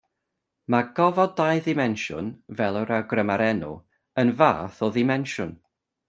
Mae gofod dau ddimensiwn, fel yr awgryma'r enw, yn fath o ddimensiwn.